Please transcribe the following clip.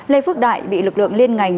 lê phước đại bị lực lượng liên ngành